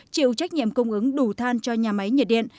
chịu trách nhiệm cung ứng đủ than cho nhà máy nhiệt điện